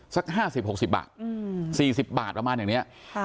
สักห้าสิบหกสิบบาทอืมสี่สิบบาทประมาณอย่างเนี้ยค่ะ